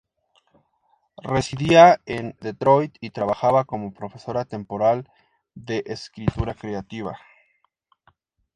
Residía en Detroit y trabajaba como profesora temporal de escritura creativa.